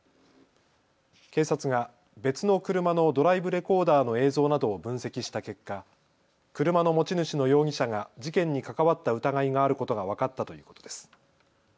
警察が別の車のドライブレコーダーの映像などを分析した結果、車の持ち主の容疑者が事件に関わった疑いがあることが分かったということです。